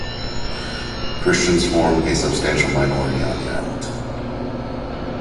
Christians form a substantial minority on the island.